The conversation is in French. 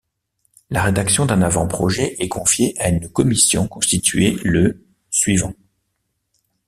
La rédaction d'un avant-projet est confiée à une commission constituée le suivant.